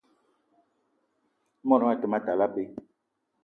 I mot gnion a te ma tal abei